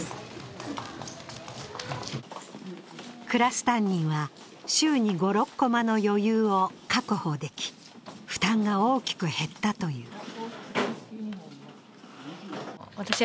クラス担任は週に５６コマの余裕を確保でき負担が大きく減ったという。